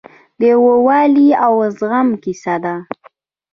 د یووالي او زغم کیسه ده.